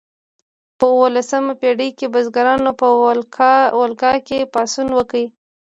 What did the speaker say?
په اوولسمه پیړۍ کې بزګرانو په والګا کې پاڅون وکړ.